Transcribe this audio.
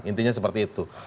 intinya seperti itu